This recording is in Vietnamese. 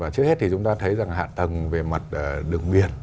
trước hết thì chúng ta thấy hạ tầng về mặt đường miền